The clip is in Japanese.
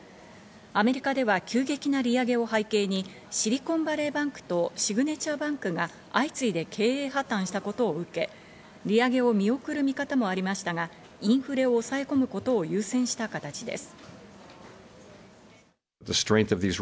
アメリカでは急激な利上げを背景に、シリコンバレーバンクと、シグネチャー・バンクが相次いで経営破綻したことを受け、利上げを見送る見方もありましたが、インフレを抑え込むことを優先した形です。